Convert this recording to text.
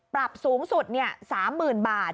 ปรับสูงสุด๓๐๐๐บาท